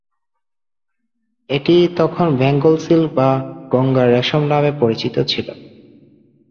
এটি তখন Bengal silk বা গঙ্গার রেশম নামে পরিচিত ছিল।